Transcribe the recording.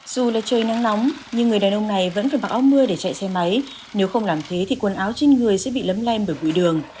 dù là trời nắng nóng nhưng người đàn ông này vẫn phải mặc áo mưa để chạy xe máy nếu không làm thế thì quần áo trên người sẽ bị lấm lem bởi bụi đường